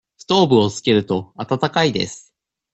ストーブをつけると、暖かいです。